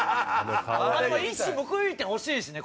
一矢報いてほしいしね